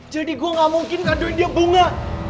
jadi gue gak mungkin kadoin dia bunga